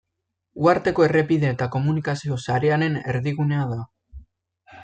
Uharteko errepide eta komunikazio-sarearen erdigunea da.